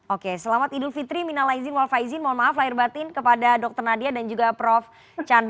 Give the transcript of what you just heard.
oke selamat idul fitri mina laizin wal faizin mohon maaf lahir batin kepada dr nadia dan juga prof chandra